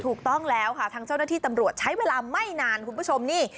ถูกต้องแล้วค่ะทางเจ้าหน้าที่ตำรวจใช้เวลาไม่นานคุณผู้ชมนี่